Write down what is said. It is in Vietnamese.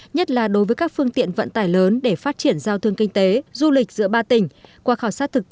nhất là đối với các phương tiện vận tải lớn để phát triển giao thương kinh tế du lịch giữa ba tỉnh